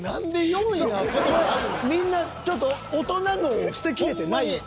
みんなちょっと大人脳を捨てきれてないわ。